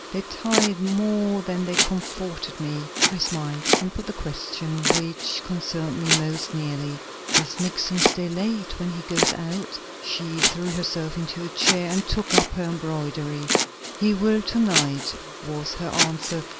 They tired more than they comforted me." I smiled, and put the question which concerned me most nearly. "Does Nixon stay late when he goes out?" She threw herself into a chair and took up her embroidery. "He will to night," was her answer.